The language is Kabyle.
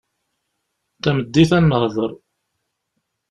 Tameddit, ad nehder.